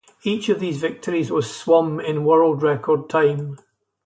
Each of these victories was swum in world-record time.